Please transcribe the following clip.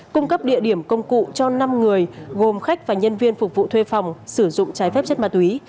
cung cấp địa điểm công cụ cho năm người gồm khách và nhân viên phục vụ thuê phòng sử dụng trái phép chất ma túy